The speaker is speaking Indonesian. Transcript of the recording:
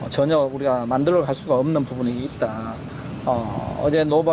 jadi kita harus membantu mereka